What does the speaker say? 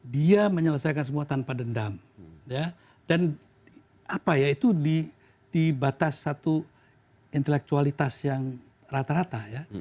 dia menyelesaikan semua tanpa dendam dan apa ya itu di batas satu intelektualitas yang rata rata ya